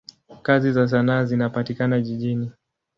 Kazi za sanaa zinapatikana jijini.